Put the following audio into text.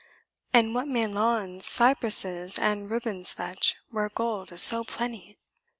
And what may lawns, cypruses, and ribands fetch, where gold is so plenty?"